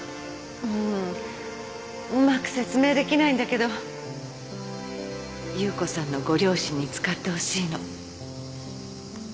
うーん。うまく説明できないんだけど夕子さんのご両親に使ってほしいの